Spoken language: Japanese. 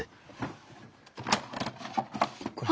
これ。